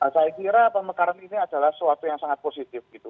saya kira pemekaran ini adalah sesuatu yang sangat positif gitu